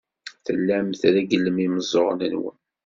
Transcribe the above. Tellam tregglem imeẓẓuɣen-nwen.